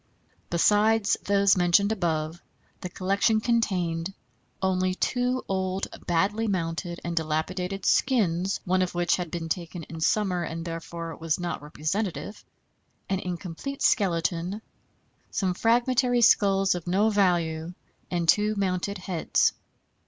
Besides those mentioned above, the collection contained only two old, badly mounted, and dilapidated skins, (one of which had been taken in summer, and therefore was not representative), an incomplete skeleton, some fragmentary skulls of no value, and two mounted heads.